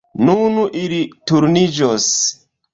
Nun ili turniĝos.